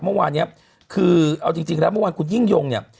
เมื่อวานนี้คือเอาจริงแล้วเมื่อวานคุณยิ่งยงเนี่ย